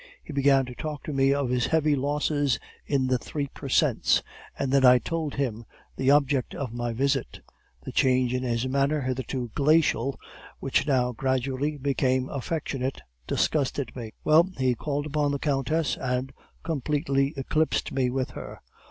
He began to talk to me of his heavy losses in the three per cents, and then I told him the object of my visit. The change in his manners, hitherto glacial, which now gradually, became affectionate, disgusted me. "Well, he called upon the countess, and completely eclipsed me with her.